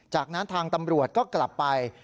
จากนั้นทางตำรวจก็กลับไป